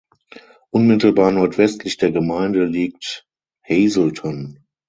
Unmittelbar nordwestlich der Gemeinde liegt Hazelton.